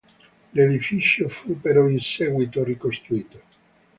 L'edificio fu però in seguito ricostruito.